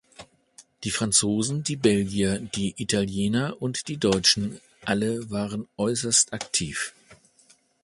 Die Franzosen, die Belgier, die Italiener und die Deutschen – alle waren äußerst aktiv.